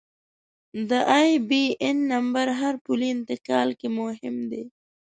د آیبياېن نمبر هر پولي انتقال کې مهم دی.